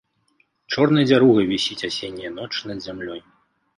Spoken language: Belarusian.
Чорнай дзяругай вісіць асенняя ноч над зямлёй.